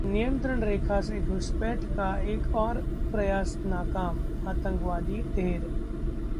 नियंत्रण रेखा से घुसपैठ का एक और प्रयास नाकाम, आतंकवादी ढेर